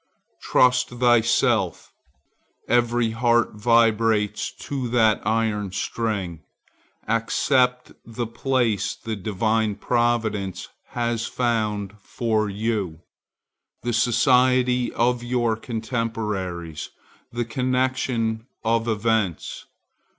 Trust thyself: every heart vibrates to that iron string. Accept the place the divine providence has found for you, the society of your contemporaries, the connection of events.